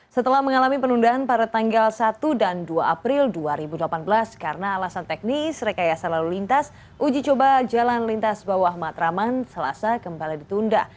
setelah mengalami penundaan pada tanggal satu dan dua april dua ribu delapan belas karena alasan teknis rekayasa lalu lintas uji coba jalan lintas bawah matraman selasa kembali ditunda